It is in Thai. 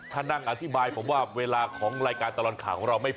ถ้านั่งอธิบายผมว่าเวลาของรายการตลอดข่าวของเราไม่พอ